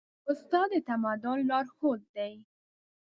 استاد د تمدن لارښود دی.